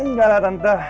enggak lah tante